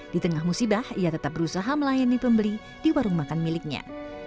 di tengah musibah ia tetap berusaha melayani pembeli di warung makan miliknya